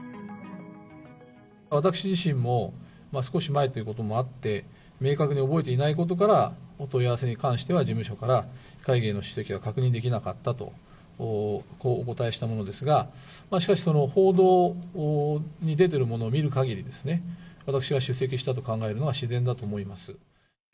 私自身も、少し前ということもあって、明確に覚えていないことから、お問い合わせに関しては事務所から会議への出席は確認できなかったと、こうお答えしたものですが、しかしその報道に出ているものを見るかぎりですね、私が出席したと考えるのは自然だと思います。